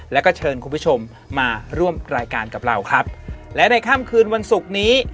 แล้วก็เชิญคุณผู้ชมมาร่วมรายการกับเราครับและในค่ำคืนวันศุกร์นี้